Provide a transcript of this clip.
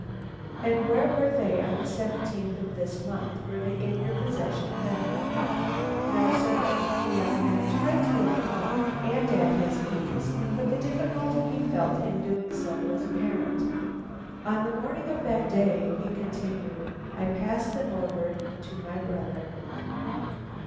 "And where were they on the seventeenth of this month? Were they in your possession then?" "No, sir." The young man tried to look calm and at his ease, but the difficulty he felt in doing so was apparent. "On the morning of that day," he continued, "I passed them over to my brother."